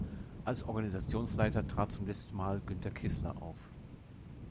Als Organisationsleiter trat zum letzten Mal Günter Kissler auf.